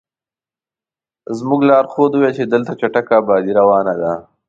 زموږ لارښود وویل چې دلته چټکه ابادي روانه ده.